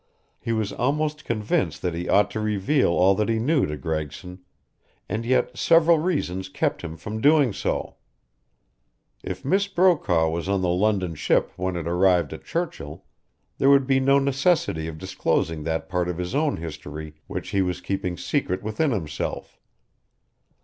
He was almost convinced that he ought to reveal all that he knew to Gregson, and yet several reasons kept him from doing so. If Miss Brokaw was on the London ship when it arrived at Churchill, there would be no necessity of disclosing that part of his own history which he was keeping secret within himself.